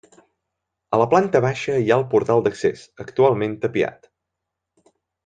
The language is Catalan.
A la planta baixa hi ha el portal d'accés, actualment tapiat.